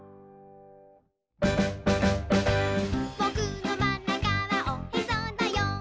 「ぼくのまんなかはおへそだよ」